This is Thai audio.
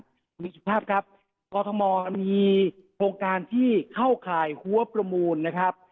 คุณมีสุภาพครับกรทมมีโครงการที่เข้าข่ายหัวประมูลนะครับ